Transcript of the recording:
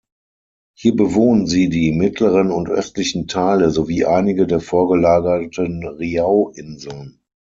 Hier bewohnen sie die mittleren und östlichen Teile sowie einige der vorgelagerten Riau-Inseln.